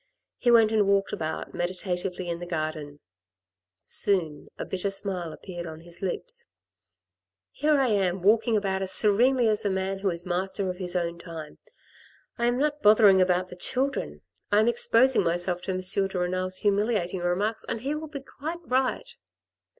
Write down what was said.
He went and walked about meditatively in the garden. Soon a bitter smile appeared on his lips. " Here I am walking about as serenely as a man who is master of his own time. I am not bothering about the children ! I am exposing myself to M. de Renal's humiliating remarks, and he will be quite right."